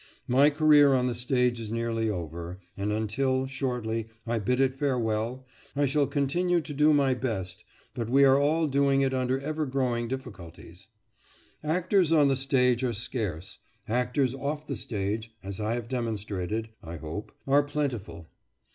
My career on the stage is nearly over, and until, shortly, I bid it farewell, I shall continue to do my best; but we are all doing it under ever growing difficulties. Actors on the stage are scarce, actors off the stage, as I have demonstrated, I hope, are plentiful.